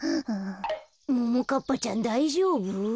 ももかっぱちゃんだいじょうぶ？